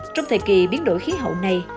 trong thời kỳ biến đổi khí hậu này